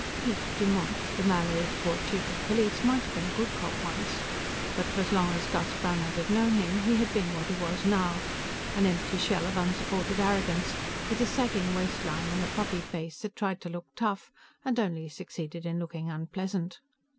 Piet Dumont, the Mallorysport chief of police, might have been a good cop once, but for as long as Gus Brannhard had known him, he had been what he was now an empty shell of unsupported arrogance, with a sagging waistline and a puffy face that tried to look tough and only succeeded in looking unpleasant.